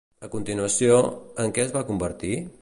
A continuació, en què es va convertir?